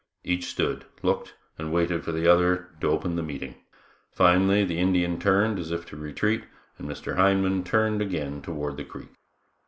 Each stood, looked, and waited for the other to open the meeting; finally the Indian turned as if to retreat, and Mr. Hindman turned again toward the creek.